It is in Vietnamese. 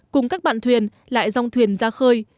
cùng các bạn thuyền lại dòng thuyền ra khơi